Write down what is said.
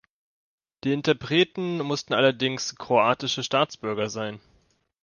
Die Interpreten mussten allerdings kroatische Staatsbürger sein.